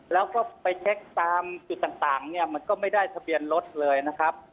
แล้วก็ไปเช็คตามจุดต่างเนี่ยมันก็ไม่ได้ทะเบียนรถเลยนะครับ